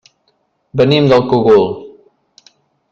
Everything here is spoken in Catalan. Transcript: Venim del Cogul.